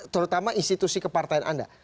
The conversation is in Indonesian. terutama institusi kepartaian anda